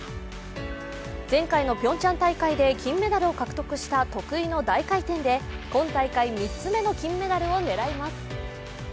前回のピョンチャン大会で金メダルを獲得した得意の大回転で今大会３つ目の金メダルを狙います。